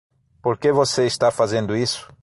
Por que você está fazendo isso?